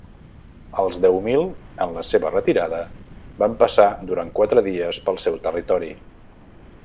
Els deu mil, en la seva retirada, van passar durant quatre dies pel seu territori.